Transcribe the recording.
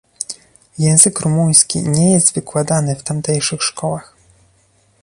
Język rumuński nie jest wykładany w tamtejszych szkołach